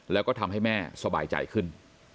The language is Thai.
แล้วก็ทำให้แม่สบายใจขึ้น